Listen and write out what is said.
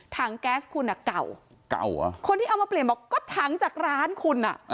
แก๊สคุณอ่ะเก่าเก่าเหรอคนที่เอามาเปลี่ยนบอกก็ถังจากร้านคุณอ่ะ